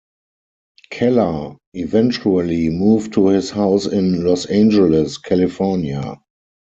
Kellar eventually moved to his house in Los Angeles, California.